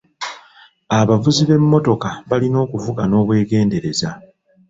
Abavuzi b'emmotoka balina okuvuga n'obwegendereza.